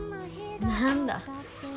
何だ。